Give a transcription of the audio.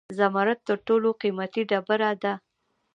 زمرد تر ټولو قیمتي ډبره ده